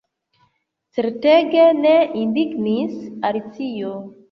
"Certege ne!" indignis Alicio.